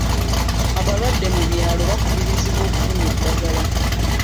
Abalwadde mu byalo bakaluubirizibwa okufuna eddagala.